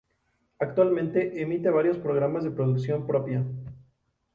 Actualmente emite varios programas de producción propia.